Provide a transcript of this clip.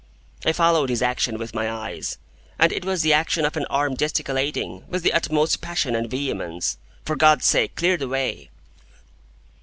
I followed his action with my eyes, and it was the action of an arm gesticulating, with the utmost passion and vehemence, "For God's sake, clear the way!"